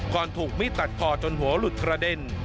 ถูกมีดตัดคอจนหัวหลุดกระเด็น